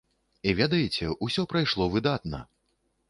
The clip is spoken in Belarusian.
І ведаеце, усё прайшло выдатна!